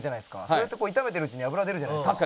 それってこう炒めてるうちに油出るじゃないですか。